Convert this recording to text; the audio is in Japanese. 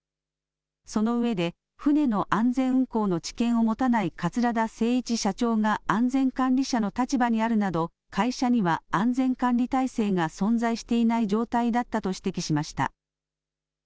その上で、船の安全運航の知見を持たない桂田精一社長が、安全管理者の立場にあるなど、会社には安全管理体制が存在していない状態だったと指摘しました。